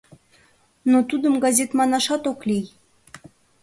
Но тудым газет манашат ок лий.